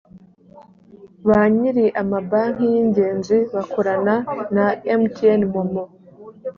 ba nyiri amabanki y ingenzi bakorana na mtnmomo